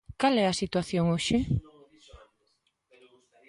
¿Cal é a situación hoxe?